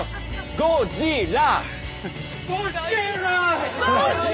ゴジラ！